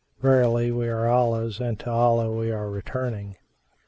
Verily we are Allah's and to Allah we are returning!"